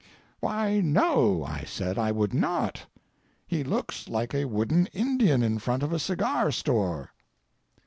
"Why, no," I said, "I would not. He looks like a wooden Indian in front of a cigar store."